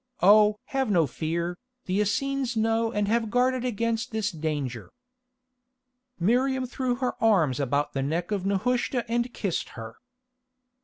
Oh! have no fear, the Essenes know and have guarded against this danger." Miriam threw her arms about the neck of Nehushta and kissed her.